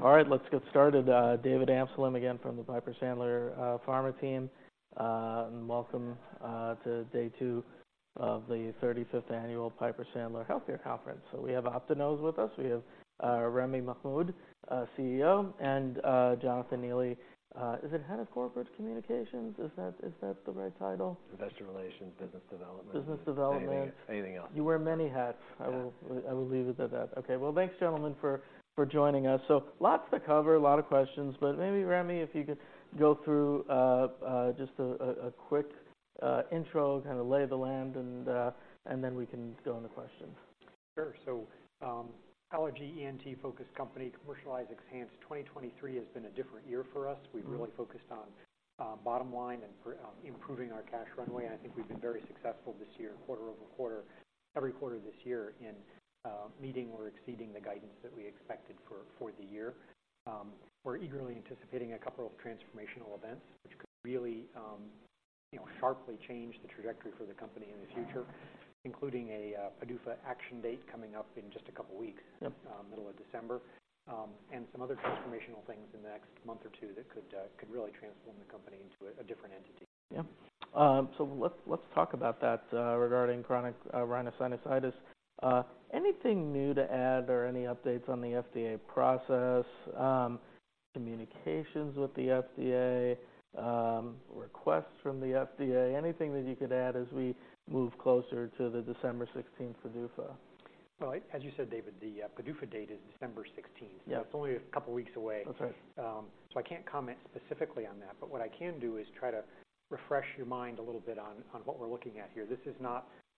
All right, let's get started. David Amsellem again from the Piper Sandler Pharma Team. And welcome to day two of the 35th annual Piper Sandler Healthcare Conference. We have Optinose with us. We have Ramy Mahmoud, CEO, and Jonathan Neely. Is it Head of Corporate Communications? Is that the right title? Investor Relations, Business Development. Business Development. Anything else. You wear many hats. Yeah. I will leave it at that. Okay. Well, thanks, gentlemen, for joining us. So lots to cover, a lot of questions, but maybe, Ramy, if you could go through just a quick intro, kind of lay the land and then we can go on the questions. Sure. So, allergy ENT-focused company, commercialize XHANCE. 2023 has been a different year for us. Mm-hmm. We've really focused on, bottom line and for, improving our cash runway, and I think we've been very successful this year, quarter-over-quarter, every quarter this year, in, meeting or exceeding the guidance that we expected for, for the year. We're eagerly anticipating a couple of transformational events which could really, you know, sharply change the trajectory for the company in the future, including a, PDUFA action date coming up in just a couple of weeks. Yep Middle of December. And some other transformational things in the next month or two that could really transform the company into a different entity. Yeah. So let's talk about that, regarding chronic rhinosinusitis. Anything new to add or any updates on the FDA process, communications with the FDA, requests from the FDA, anything that you could add as we move closer to the December 16th PDUFA? Well, as you said, David, the PDUFA date is December 16th. Yeah. So it's only a couple of weeks away. That's right. I can't comment specifically on that, but what I can do is try to refresh your mind a little bit on what we're looking at here. This is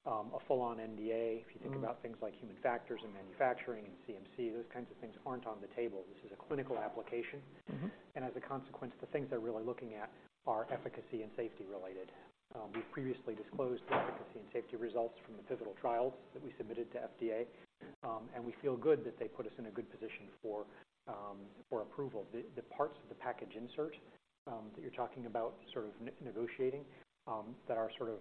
not a full-on NDA. Mm. If you think about things like human factors and manufacturing and CMC, those kinds of things aren't on the table. This is a clinical application. Mm-hmm. As a consequence, the things they're really looking at are efficacy and safety-related. We've previously disclosed the efficacy and safety results from the pivotal trials that we submitted to FDA, and we feel good that they put us in a good position for approval. The parts of the package insert that you're talking about, sort of negotiating, that are sort of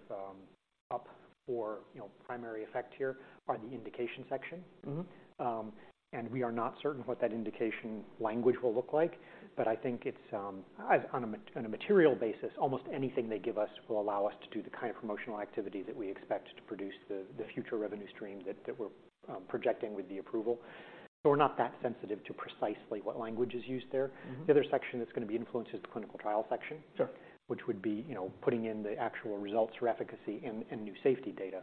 up for, you know, primary effect here, are the indication section. Mm-hmm. And we are not certain what that indication language will look like, but I think it's on a material basis, almost anything they give us will allow us to do the kind of promotional activity that we expect to produce the future revenue stream that we're projecting with the approval. So we're not that sensitive to precisely what language is used there. Mm-hmm. The other section that's going to be influenced is the clinical trial section. Sure. Which would be, you know, putting in the actual results for efficacy and new safety data.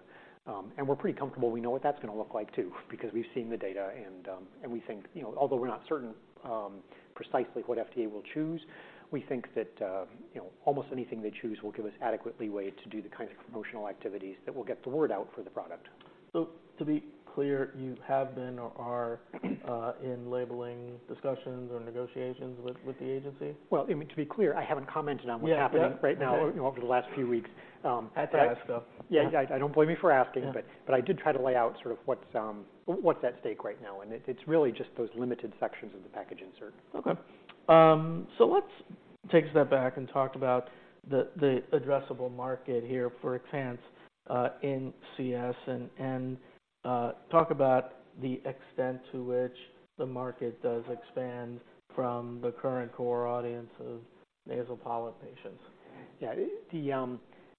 We're pretty comfortable we know what that's going to look like too, because we've seen the data and we think, you know, although we're not certain, precisely what FDA will choose, we think that, you know, almost anything they choose will give us adequate leeway to do the kinds of promotional activities that will get the word out for the product. So to be clear, you have been or are in labeling discussions or negotiations with the agency? Well, I mean, to be clear, I haven't commented on what's- Yeah Happening right now over the last few weeks, at- I had to ask, though. Yeah, I don't blame you for asking. Yeah. But I did try to lay out sort of what's at stake right now, and it's really just those limited sections of the package insert. Okay. So let's take a step back and talk about the addressable market here for XHANCE in CS, and talk about the extent to which the market does expand from the current core audience of nasal polyp patients. Yeah.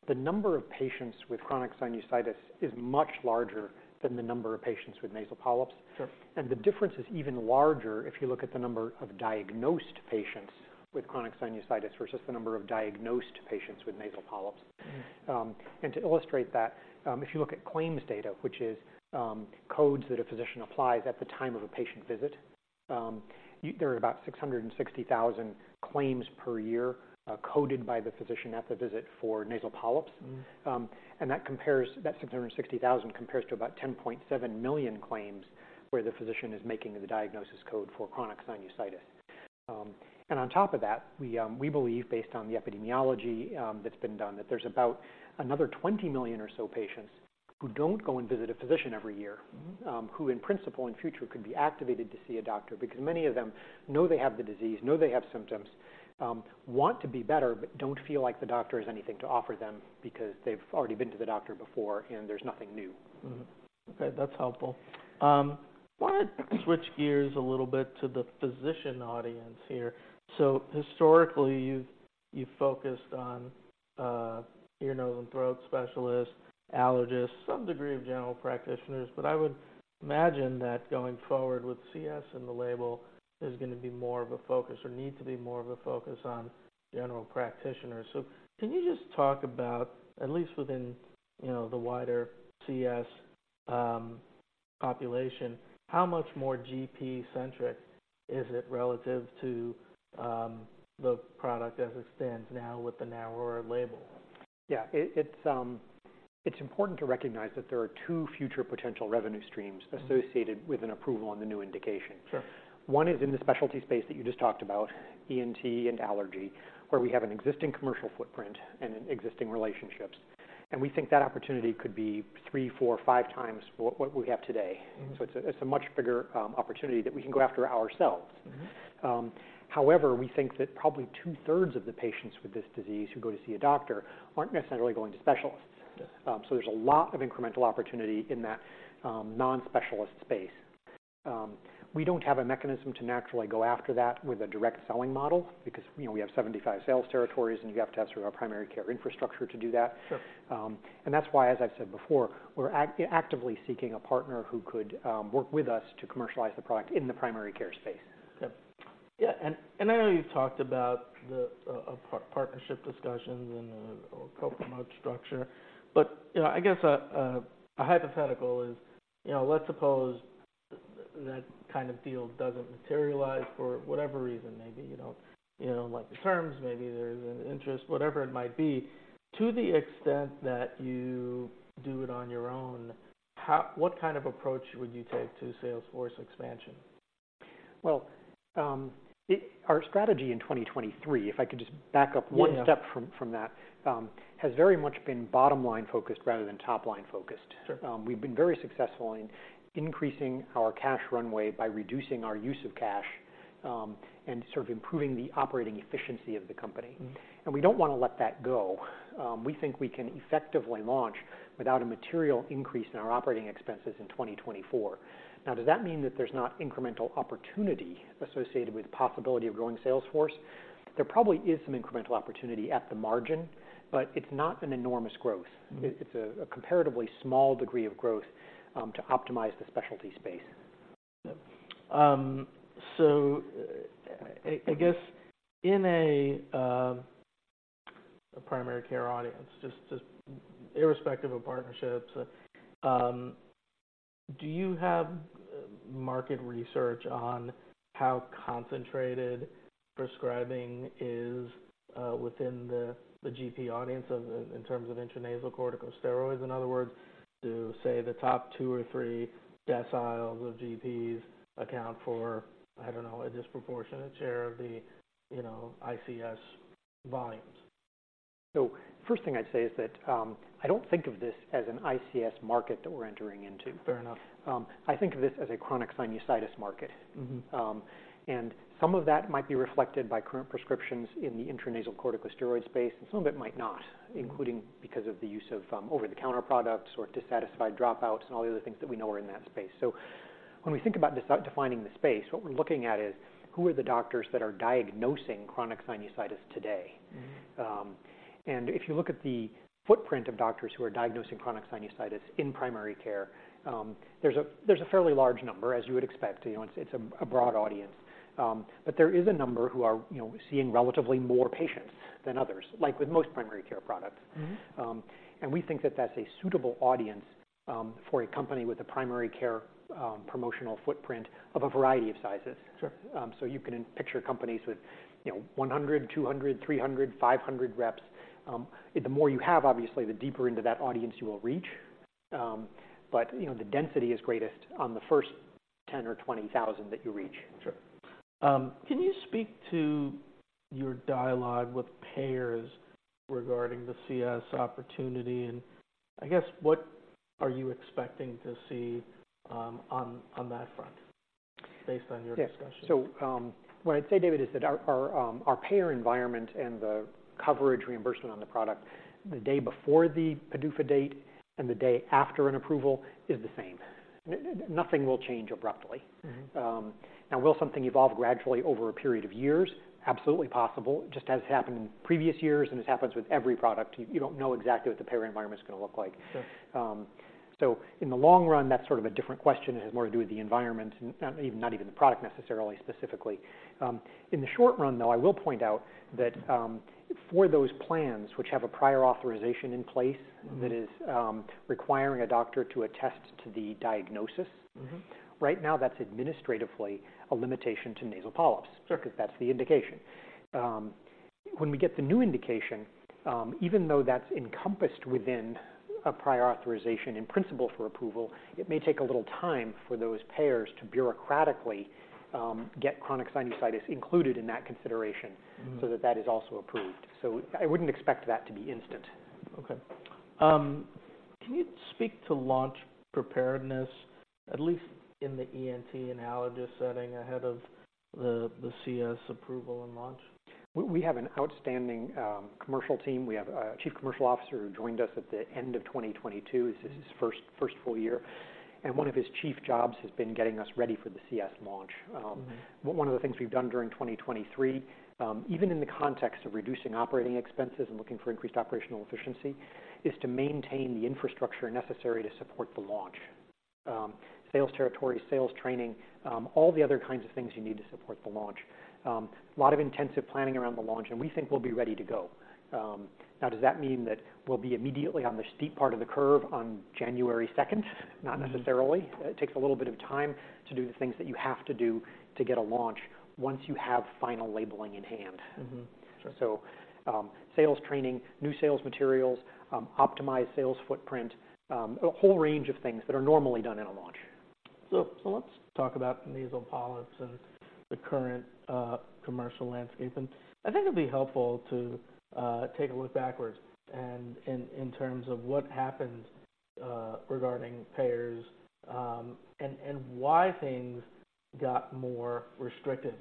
The number of patients with chronic sinusitis is much larger than the number of patients with nasal polyps. Sure. The difference is even larger if you look at the number of diagnosed patients with chronic sinusitis versus the number of diagnosed patients with nasal polyps. Mm. To illustrate that, if you look at claims data, which is codes that a physician applies at the time of a patient visit, there are about 660,000 claims per year, coded by the physician at the visit for nasal polyps. Mm. And that compares, that 660,000 compares to about 10.7 million claims, where the physician is making the diagnosis code for chronic sinusitis. And on top of that, we, we believe, based on the epidemiology, that's been done, that there's about another 20 million or so patients who don't go and visit a physician every year- Mm-hmm Who, in principle, in future, could be activated to see a doctor. Because many of them know they have the disease, know they have symptoms, want to be better, but don't feel like the doctor has anything to offer them because they've already been to the doctor before and there's nothing new. Mm-hmm. Okay, that's helpful. Want to switch gears a little bit to the physician audience here. So historically, you've focused on ear, nose, and throat specialists, allergists, some degree of general practitioners, but I would imagine that going forward with CS in the label is gonna be more of a focus or need to be more of a focus on general practitioners. So can you just talk about, at least within, you know, the wider CS population, how much more GP-centric is it relative to the product as it stands now with the narrower label? Yeah, it's important to recognize that there are two future potential revenue streams- Mm Associated with an approval on the new indication. Sure. One is in the specialty space that you just talked about, ENT and allergy, where we have an existing commercial footprint and existing relationships, and we think that opportunity could be three, four, or five times what we have today. Mm. So it's a much bigger opportunity that we can go after ourselves. Mm-hmm. However, we think that probably two-thirds of the patients with this disease who go to see a doctor aren't necessarily going to specialists. Yeah. So there's a lot of incremental opportunity in that non-specialist space. We don't have a mechanism to naturally go after that with a direct selling model because, you know, we have 75 sales territories, and you have to have sort of a primary care infrastructure to do that. Sure. That's why, as I've said before, we're actively seeking a partner who could work with us to commercialize the product in the primary care space. Okay. Yeah, and I know you've talked about the partnership discussions and or co-promote structure, but, you know, I guess a hypothetical is, you know, let's suppose that kind of deal doesn't materialize for whatever reason. Maybe you don't, you know, like the terms, maybe there's an interest, whatever it might be. To the extent that you do it on your own, how, what kind of approach would you take to salesforce expansion? Well, our strategy in 2023, if I could just back up- Yeah. One step from that has very much been bottom-line focused rather than top-line focused. Sure. We've been very successful in increasing our cash runway by reducing our use of cash, and sort of improving the operating efficiency of the company. Mm-hmm. We don't want to let that go. We think we can effectively launch without a material increase in our operating expenses in 2024. Now, does that mean that there's not incremental opportunity associated with the possibility of growing sales force? There probably is some incremental opportunity at the margin, but it's not an enormous growth. Mm-hmm. It's a comparatively small degree of growth to optimize the specialty space. So, I guess in a primary care audience, just irrespective of partnerships, do you have market research on how concentrated prescribing is within the GP audience in terms of intranasal corticosteroids? In other words, do, say, the top two or three deciles of GPs account for, I don't know, a disproportionate share of the, you know, ICS volumes? So first thing I'd say is that, I don't think of this as an ICS market that we're entering into. Fair enough. I think of this as a chronic sinusitis market. Mm-hmm. and some of that might be reflected by current prescriptions in the intranasal corticosteroid space, and some of it might not... Mm-hmm. Including because of the use of, over-the-counter products or dissatisfied dropouts and all the other things that we know are in that space. So when we think about this, defining the space, what we're looking at is, who are the doctors that are diagnosing chronic sinusitis today? Mm-hmm. If you look at the footprint of doctors who are diagnosing chronic sinusitis in primary care, there's a fairly large number, as you would expect. You know, it's a broad audience. There is a number who are, you know, seeing relatively more patients than others, like with most primary care products. Mm-hmm. We think that that's a suitable audience for a company with a primary care promotional footprint of a variety of sizes. Sure. So you can picture companies with, you know, 100, 200, 300, 500 reps. The more you have, obviously, the deeper into that audience you will reach. But, you know, the density is greatest on the first 10 or 20,000 that you reach. Sure. Can you speak to your dialogue with payers regarding the CS opportunity? And I guess, what are you expecting to see on that front, based on your discussions? Yeah. So, what I'd say, David, is that our payer environment and the coverage reimbursement on the product, the day before the PDUFA date and the day after an approval is the same. Nothing will change abruptly. Mm-hmm. Now, will something evolve gradually over a period of years? Absolutely possible, just as happened in previous years, and this happens with every product. You don't know exactly what the payer environment is gonna look like. Sure. So in the long run, that's sort of a different question. It has more to do with the environment and, not even the product necessarily, specifically. In the short run, though, I will point out that, for those plans which have a prior authorization in place- Mm-hmm. That is, requiring a doctor to attest to the diagnosis. Mm-hmm. Right now, that's administratively a limitation to nasal polyps. Sure. Because that's the indication. When we get the new indication, even though that's encompassed within a prior authorization in principle for approval, it may take a little time for those payers to bureaucratically get chronic sinusitis included in that consideration- Mm-hmm. So that that is also approved. I wouldn't expect that to be instant. Okay. Can you speak to launch preparedness, at least in the ENT and allergist setting, ahead of the CS approval and launch? We have an outstanding commercial team. We have a Chief Commercial Officer who joined us at the end of 2022. This is his first full year, and one of his chief jobs has been getting us ready for the CS launch. Mm-hmm. One of the things we've done during 2023, even in the context of reducing operating expenses and looking for increased operational efficiency, is to maintain the infrastructure necessary to support the launch. Sales territory, sales training, all the other kinds of things you need to support the launch. A lot of intensive planning around the launch, and we think we'll be ready to go. Now, does that mean that we'll be immediately on the steep part of the curve on January second? Mm-hmm. Not necessarily. It takes a little bit of time to do the things that you have to do to get a launch once you have final labeling in hand. Mm-hmm. Sure. So, sales training, new sales materials, optimized sales footprint, a whole range of things that are normally done in a launch. So let's talk about nasal polyps and the current commercial landscape. And I think it'd be helpful to take a look backwards and in terms of what happened regarding payers, and why things got more restricted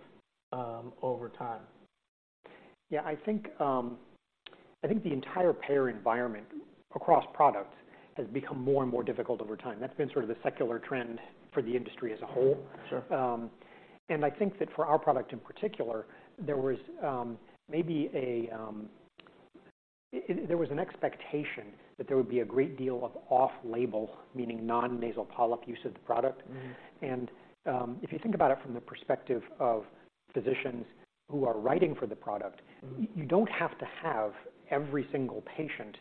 over time. Yeah, I think, I think the entire payer environment across products has become more and more difficult over time. That's been sort of the secular trend for the industry as a whole. Sure. And I think that for our product in particular, there was maybe an expectation that there would be a great deal of off-label, meaning non-nasal polyp use of the product. Mm-hmm. If you think about it from the perspective of physicians who are writing for the product- Mm-hmm. You don't have to have every single patient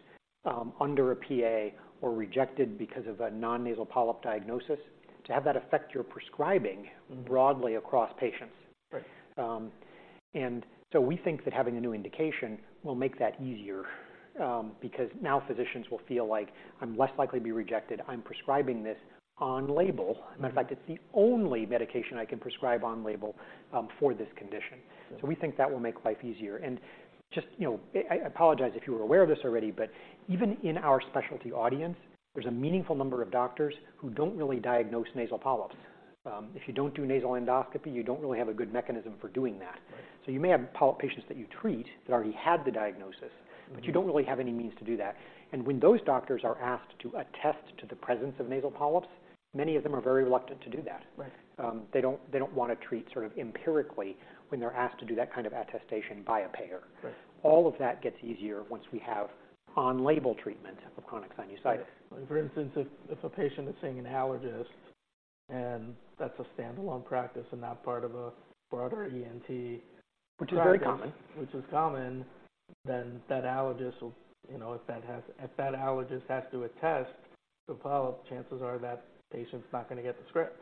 under a PA or rejected because of a non-nasal polyp diagnosis to have that affect your prescribing- Mm-hmm. Broadly across patients. Right. And so we think that having a new indication will make that easier, because now physicians will feel like I'm less likely to be rejected. I'm prescribing this on label. Matter of fact, it's the only medication I can prescribe on label, for this condition. Sure. We think that will make life easier. Just, you know, I apologize if you were aware of this already, but even in our specialty audience, there's a meaningful number of doctors who don't really diagnose nasal polyps. If you don't do nasal endoscopy, you don't really have a good mechanism for doing that. Right. You may have polyp patients that you treat that already had the diagnosis- Mm-hmm. But you don't really have any means to do that. And when those doctors are asked to attest to the presence of nasal polyps, many of them are very reluctant to do that. Right. They don't want to treat sort of empirically when they're asked to do that kind of attestation by a payer. Right. All of that gets easier once we have on-label treatment of chronic sinusitis. For instance, if a patient is seeing an allergist, and that's a standalone practice and not part of a broader ENT- Which is very common. Which is common, then that allergist will, you know, if that allergist has to attest the polyp, chances are that patient's not gonna get the script.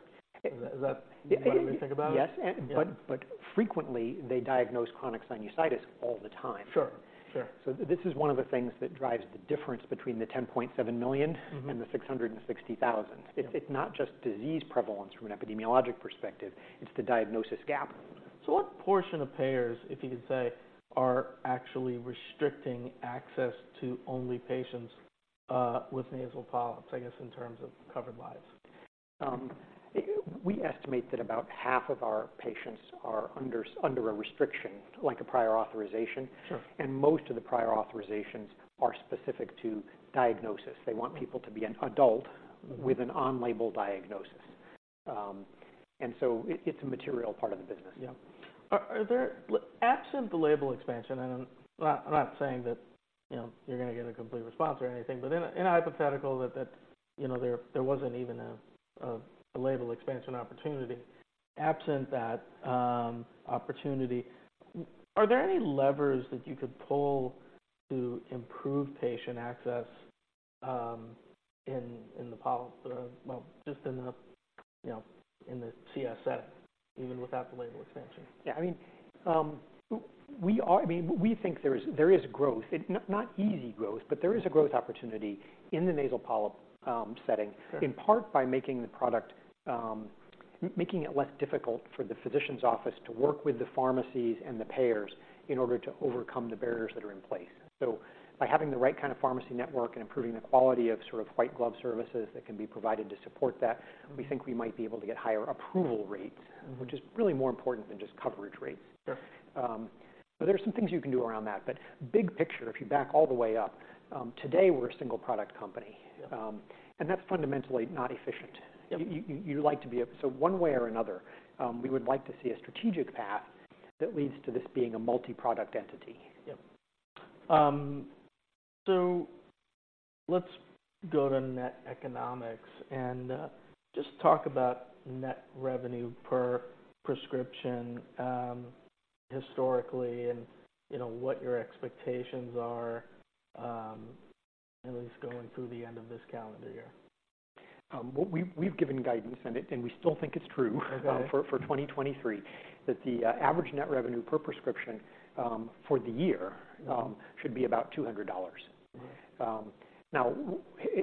Okay. Is that what you think about it? Yes. Yeah. But frequently, they diagnose chronic sinusitis all the time. Sure. Sure. This is one of the things that drives the difference between the $10.7 million- Mm-hmm. And the $660,000. Yeah. It's not just disease prevalence from an epidemiologic perspective, it's the diagnosis gap. So what portion of payers, if you could say, are actually restricting access to only patients with nasal polyps, I guess, in terms of covered lives? We estimate that about half of our patients are under a restriction, like a prior authorization. Sure. Most of the prior authorizations are specific to diagnosis. Mm-hmm. They want people to be an adult- Mm-hmm. With an on-label diagnosis. And so it, it's a material part of the business. Yeah. Are there- Absent the label expansion, and I'm not saying that, you know, you're gonna get a complete response or anything, but in a hypothetical that you know there wasn't even a label expansion opportunity. Absent that opportunity, are there any levers that you could pull to improve patient access in the polyp well just in the you know in the CS setting, even without the label expansion? Yeah, I mean, we are- I mean, we think there is, there is growth, it, not, not easy growth- Yeah. But there is a growth opportunity in the nasal polyp setting. Sure In part, by making the product, making it less difficult for the physician's office to work with the pharmacies and the payers in order to overcome the barriers that are in place. So by having the right kind of pharmacy network and improving the quality of sort of white glove services that can be provided to support that, we think we might be able to get higher approval rates- Mm-hmm. Which is really more important than just coverage rates. Sure. But there are some things you can do around that. But big picture, if you back all the way up, today, we're a single product company. Yeah. That's fundamentally not efficient. Yep. So one way or another, we would like to see a strategic path that leads to this being a multi-product entity. Yep. So let's go to net economics and just talk about net revenue per prescription, historically and, you know, what your expectations are, at least going through the end of this calendar year. We've given guidance, and it, and we still think it's true. Okay For 2023, that the average net revenue per prescription for the year should be about $200. Right. Now,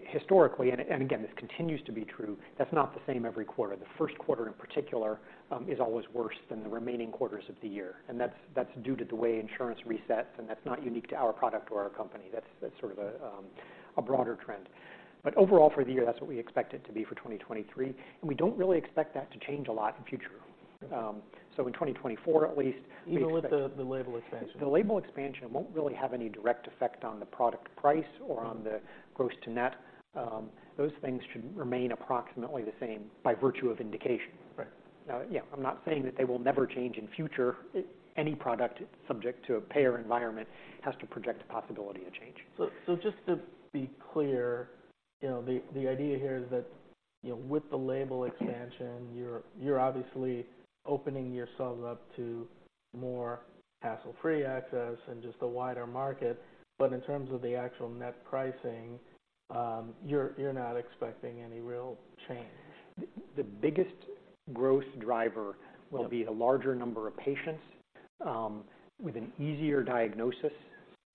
historically, and again, this continues to be true, that's not the same every quarter. The first quarter in particular is always worse than the remaining quarters of the year, and that's due to the way insurance resets, and that's not unique to our product or our company. That's sort of a broader trend. But overall, for the year, that's what we expect it to be for 2023, and we don't really expect that to change a lot in future. Okay. So in 2024, at least- Even with the label expansion? The label expansion won't really have any direct effect on the product price or on the- Mm-hmm. Gross to net. Those things should remain approximately the same by virtue of indication. Right. Yeah, I'm not saying that they will never change in future. Any product subject to a payer environment has to project a possibility of change. So, just to be clear, you know, the idea here is that, you know, with the label expansion, you're obviously opening yourselves up to more hassle-free access and just a wider market. But in terms of the actual net pricing, you're not expecting any real change? The biggest growth driver- Yep Will be a larger number of patients, with an easier diagnosis,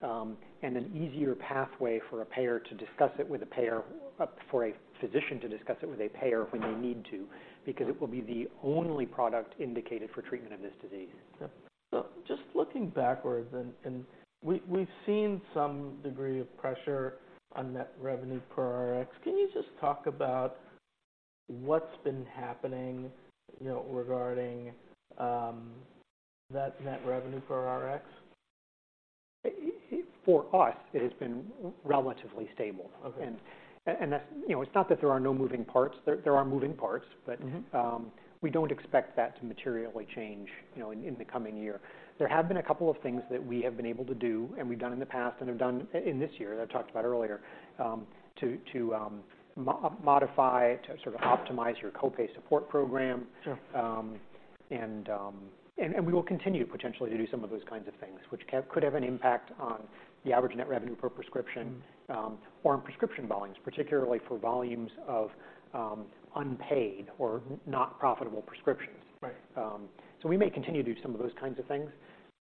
and an easier pathway for a payer to discuss it with a payer, for a physician to discuss it with a payer when they need to- Mm-hmm. Because it will be the only product indicated for treatment of this disease. Yep. So just looking backwards and we've seen some degree of pressure on net revenue per Rx. Can you just talk about... What's been happening, you know, regarding that net revenue for Rx? For us, it has been relatively stable. Okay. And that's-- You know, it's not that there are no moving parts. There are moving parts, but- Mm-hmm. We don't expect that to materially change, you know, in the coming year. There have been a couple of things that we have been able to do, and we've done in the past and have done in this year, that I talked about earlier, to modify, to sort of optimize your co-pay support program. Sure. We will continue potentially to do some of those kinds of things, which could have an impact on the average net revenue per prescription. Mm-hmm. Or on prescription volumes, particularly for volumes of, unpaid or not profitable prescriptions. Right. So we may continue to do some of those kinds of things,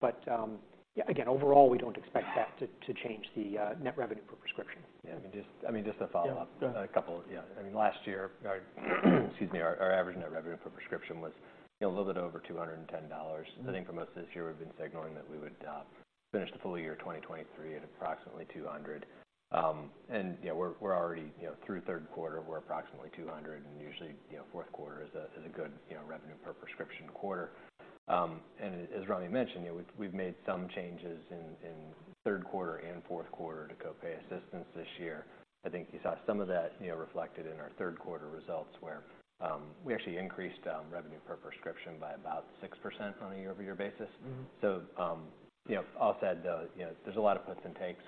but, yeah, again, overall, we don't expect that to change the net revenue per prescription. Yeah, I mean, just to follow up. Yeah. Go ahead. Yeah, I mean, last year, our, excuse me, our average net revenue per prescription was, you know, a little bit over $210. Mm-hmm. I think for most of this year, we've been signaling that we would finish the full year 2023 at approximately $200. And, you know, we're already, you know, through third quarter, we're approximately $200, and usually, you know, fourth quarter is a good, you know, revenue per prescription quarter. And as Ramy mentioned, you know, we've made some changes in third quarter and fourth quarter to co-pay assistance this year. I think you saw some of that, you know, reflected in our third quarter results, where we actually increased revenue per prescription by about 6% on a year-over-year basis. Mm-hmm. You know, all said, though, you know, there's a lot of puts and takes.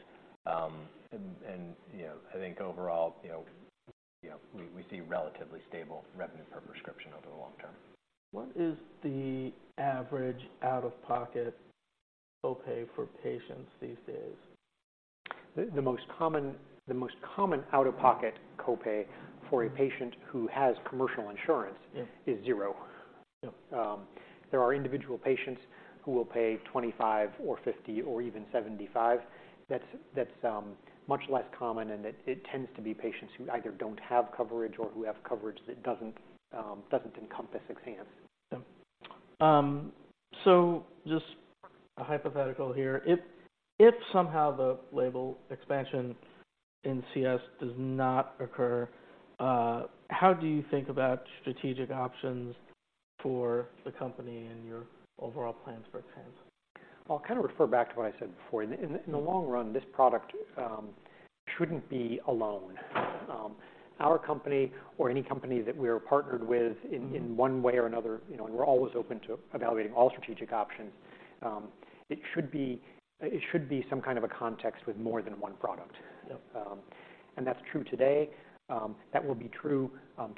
You know, I think overall, you know, you know, we see relatively stable revenue per prescription over the long term. What is the average out-of-pocket co-pay for patients these days? The most common out-of-pocket co-pay for a patient who has commercial insurance- Yeah Is zero. Yeah. There are individual patients who will pay $25 or $50 or even $75. That's much less common, and it tends to be patients who either don't have coverage or who have coverage that doesn't encompass XHANCE. So just a hypothetical here. If somehow the label expansion in CS does not occur, how do you think about strategic options for the company and your overall plans for XHANCE? I'll kind of refer back to what I said before. Mm-hmm. In the long run, this product shouldn't be alone. Our company or any company that we are partnered with- Mm-hmm In one way or another, you know, and we're always open to evaluating all strategic options. It should be some kind of a context with more than one product. Yeah. That's true today. That will be true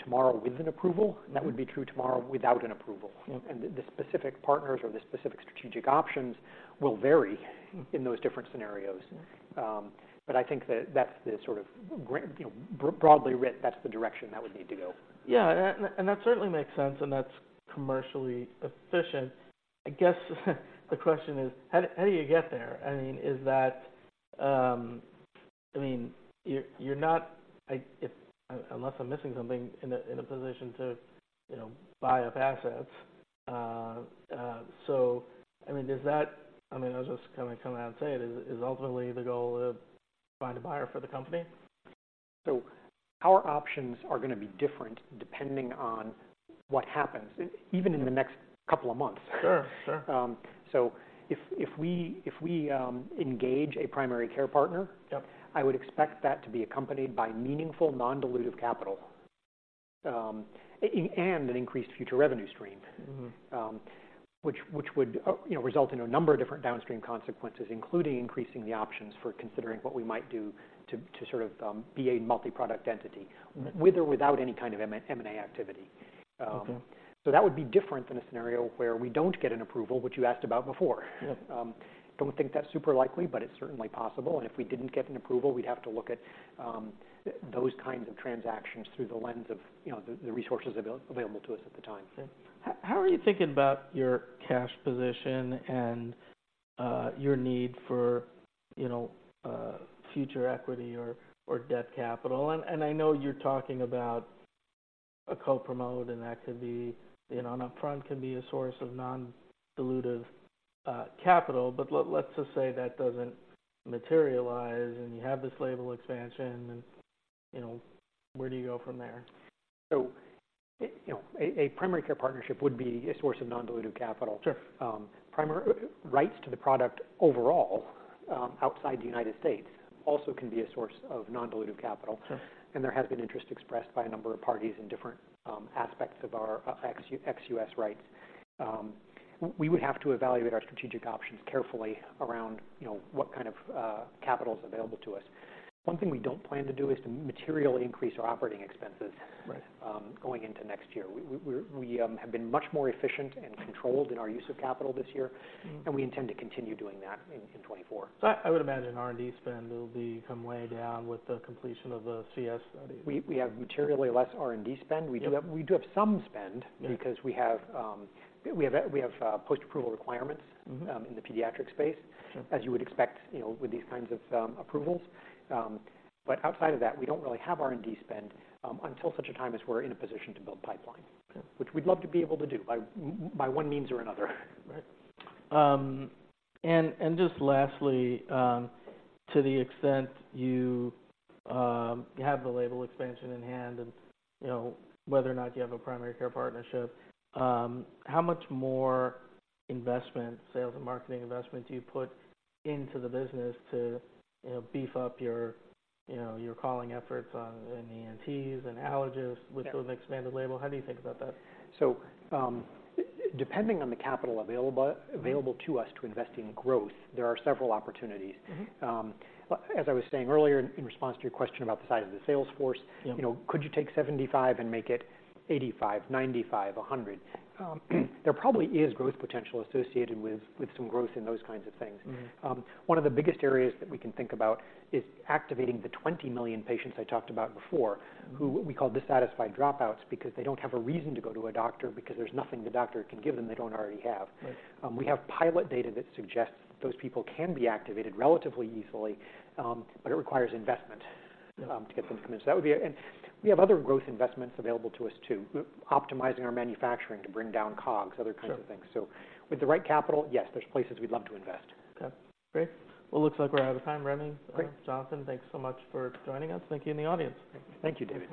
tomorrow with an approval. Mm-hmm. That would be true tomorrow without an approval. Yeah. The specific partners or the specific strategic options will vary in those different scenarios. Mm-hmm. But I think that that's the sort of you know, broadly writ, that's the direction that we need to go. Yeah, and that certainly makes sense, and that's commercially efficient. I guess the question is, how do you get there? I mean, is that. I mean, you're not, unless I'm missing something, in a position to, you know, buy up assets. So I mean, does that, I mean, I'll just kind of come out and say it, is ultimately the goal to find a buyer for the company? Our options are going to be different depending on what happens, even- Yeah In the next couple of months. Sure. Sure. So if we engage a primary care partner- Yep I would expect that to be accompanied by meaningful, non-dilutive capital, and an increased future revenue stream- Mm-hmm Which would, you know, result in a number of different downstream consequences, including increasing the options for considering what we might do to sort of be a multi-product entity- Mm-hmm With or without any kind of M&A activity. Okay. That would be different than a scenario where we don't get an approval, which you asked about before. Yeah. Don't think that's super likely, but it's certainly possible, and if we didn't get an approval, we'd have to look at those kinds of transactions through the lens of, you know, the resources available to us at the time. Yeah. How are you thinking about your cash position and your need for, you know, future equity or debt capital? And I know you're talking about a co-promote, and that could be, you know, an upfront, can be a source of non-dilutive capital. But let's just say that doesn't materialize, and you have this label expansion and, you know, where do you go from there? You know, a primary care partnership would be a source of non-dilutive capital. Sure. Primary rights to the product overall, outside the United States, also can be a source of non-dilutive capital. Sure. There has been interest expressed by a number of parties in different aspects of our ex-US rights. We would have to evaluate our strategic options carefully around, you know, what kind of capital is available to us. One thing we don't plan to do is to materially increase our operating expenses. Right Going into next year. We have been much more efficient and controlled in our use of capital this year. Mm-hmm. We intend to continue doing that in 2024. So I would imagine R&D spend will become way down with the completion of the CS study. We have materially less R&D spend. Yeah. We do have some spend- Yeah Because we have post-approval requirements- Mm-hmm In the pediatric space Sure As you would expect, you know, with these kinds of approvals. But outside of that, we don't really have R&D spend, until such a time as we're in a position to build pipeline. Okay -which we'd love to be able to do, by one means or another. Right. And just lastly, to the extent you have the label expansion in hand and, you know, whether or not you have a primary care partnership, how much more investment, sales and marketing investment, do you put into the business to, you know, beef up your, you know, your calling efforts on in the ENTs and allergists- Yeah With those expanded label? How do you think about that? So, depending on the capital available- Mm-hmm Available to us to invest in growth, there are several opportunities. Mm-hmm. As I was saying earlier, in response to your question about the size of the sales force- Yeah You know, could you take 75 and make it 85, 95, 100? There probably is growth potential associated with some growth in those kinds of things. Mm-hmm. One of the biggest areas that we can think about is activating the 20 million patients I talked about before- Mm-hmm Who we call dissatisfied dropouts because they don't have a reason to go to a doctor because there's nothing the doctor can give them they don't already have. Right. We have pilot data that suggests those people can be activated relatively easily, but it requires investment- Yeah To get them to come in. So that would be- And we have other growth investments available to us, too. Optimizing our manufacturing to bring down COGS, other kinds- Sure Of things. So with the right capital, yes, there's places we'd love to invest. Okay, great. Well, it looks like we're out of time. Ramy- Great Jonathan, thanks so much for joining us. Thank you in the audience. Thank you, David.